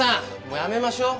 もうやめましょう。